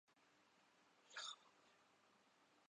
یہ مسئلہ بحث طلب نہیں۔